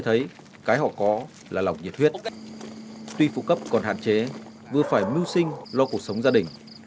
tôi thấy cái họ có là lòng nhiệt huyết tuy phụ cấp còn hạn chế vừa phải mưu sinh lo cuộc sống gia đình